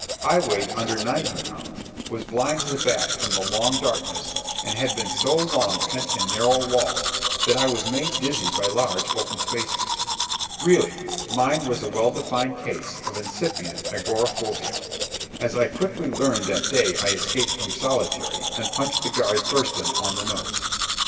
I weighed under ninety pounds, was blind as a bat from the long darkness, and had been so long pent in narrow walls that I was made dizzy by large open spaces. Really, mime was a well defined case of incipient agoraphobia, as I quickly learned that day I escaped from solitary and punched the guard Thurston on the nose.